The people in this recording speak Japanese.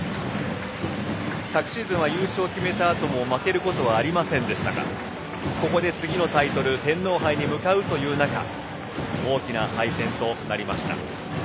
昨シーズンは優勝を決めたあとも負けることはありませんでしたがここで次のタイトル天皇杯に向かうという中大きな敗戦となりました。